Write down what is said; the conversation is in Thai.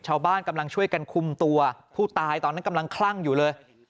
ชาวบ้านกำลังช่วยกันคุมตัวผู้ตายตอนนั้นกำลังคลั่งอยู่เลย